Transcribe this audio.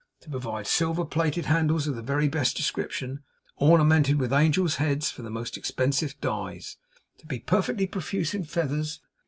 To provide silver plated handles of the very best description, ornamented with angels' heads from the most expensive dies. To be perfectly profuse in feathers.